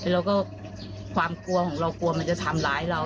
แล้วก็ความกลัวของเรากลัวมันจะทำร้ายเรา